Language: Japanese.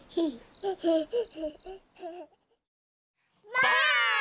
ばあっ！